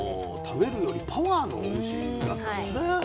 食べるよりパワーの牛だったんですね。